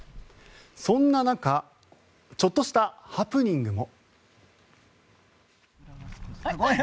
そんな中ちょっとしたハプニングも。